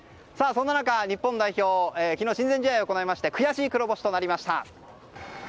そんな中日本代表、昨日親善試合を行いまして悔しい黒星となりました。